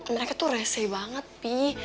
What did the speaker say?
mereka tuh rese banget pi